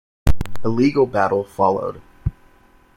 A legal battle followed.